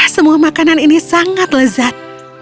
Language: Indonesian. semua makanan ini sangat lezat